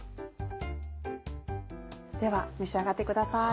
では召し上がってください。